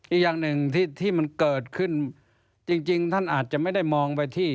อีกอย่างหนึ่งที่ที่มันเกิดขึ้นจริงท่านอาจจะไม่ได้มองไปที่